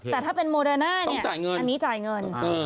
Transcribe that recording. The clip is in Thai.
แต่ถ้าเป็นโมเดอร์น่าเนี่ยอันนี้จ่ายเงิน